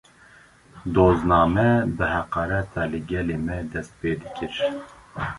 Dozname, bi heqareta li gelê me dest pê dikir